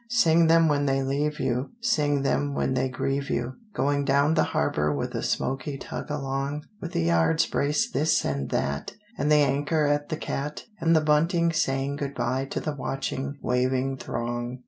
Sing them when they leave you, Sing them when they grieve you, Going down the harbor with a smoky tug along; With the yards braced this and that, And the anchor at the cat, And the bunting saying good bye to the watching, waving throng.